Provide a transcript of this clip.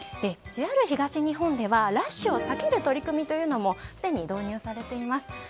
ＪＲ東日本ではラッシュを避ける取り組みというのもすでに導入されています。